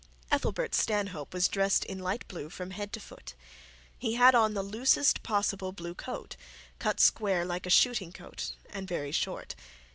Ethelbert Stanhope was dressed in light blue from head to foot. He had on the loosest possible blue coat, cut square like a shooting coat, and very short.